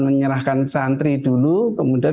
menyerahkan santri dulu kemudian